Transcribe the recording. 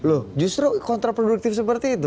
loh justru kontraproduktif seperti itu